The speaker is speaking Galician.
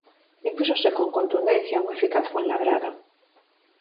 Impúxose con contundencia un eficaz Fuenlabrada.